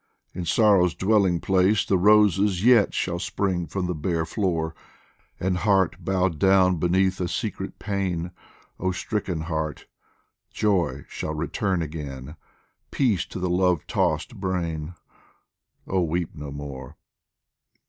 in sorrow's dwelling place The roses yet shall spring from the bare floor ! And heart bowed down beneath a secret pain Oh stricken heart ! joy shall return again, Peace to the love tossed brain oh, weep no more